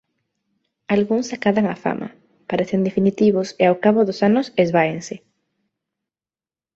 Algúns acadan a fama, parecen definitivos e ao cabo dos anos esváense.